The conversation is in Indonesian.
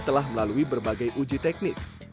telah melalui berbagai uji teknis